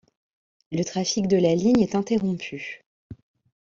Le trafic de la ligne est interrompu.